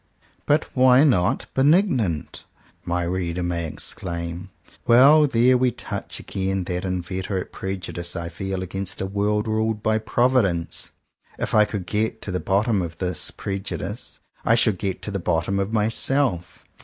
"But why not benignant.?" my reader may exclaim. Well ! there we touch again that inveterate prejudice I feel against a world ruled by Providence. If I could get to the bottom of this prejudice, I should indeed get to the bottom of my self.